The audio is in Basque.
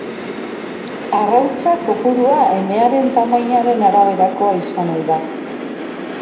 Arrautza kopurua emearen tamainaren araberako izan ohi da.